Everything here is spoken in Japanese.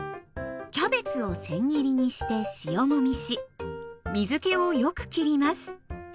キャベツをせん切りにして塩もみし水けをよくきります。